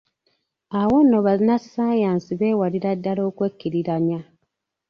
Awo nno bannassaayansi beewalira ddala okwekkiriranya.